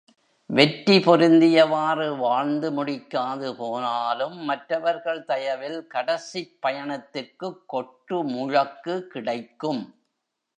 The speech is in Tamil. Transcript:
வெற்றி பொருந்தியவாறு வாழ்ந்து முடிக்காது போனாலும் மற்றவர்கள் தயவில் கடைசிப் பயணத்திற்குக் கொட்டு முழக்கு கிடைக்கும்.